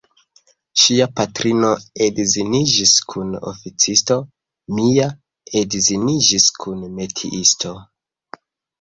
Ŝia patrino edziniĝis kun oficisto, mia edziniĝis kun metiisto.